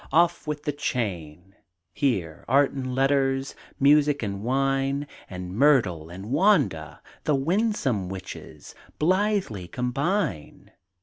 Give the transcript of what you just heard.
Off with the chain! Here Art and Letters, Music and wine, And Myrtle and Wanda, The winsome witches, Blithely combine.